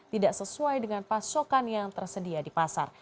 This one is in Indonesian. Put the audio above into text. tidak sesuai dengan pasokan yang tersedia di pasar